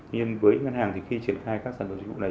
nhưng với ngân hàng thì khi triển khai các sản phẩm dịch vụ này